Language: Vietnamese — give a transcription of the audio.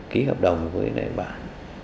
ký hợp đồng với bạn